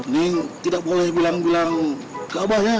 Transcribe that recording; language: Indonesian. ning tidak boleh bilang bilang ke abah ya